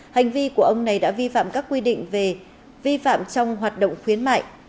hành vi của ông này đã vi phạm các quy định về vi phạm trong hoạt động khuyến mại